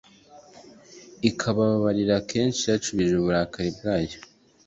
ikabababarira; kenshi yacubije uburakari bwayo